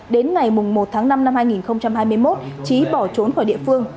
đến ngày một tháng năm năm hai nghìn hai mươi một trí bỏ trốn khỏi địa phương